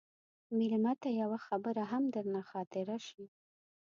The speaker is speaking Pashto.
مېلمه ته یوه خبره هم درنه خاطره شي.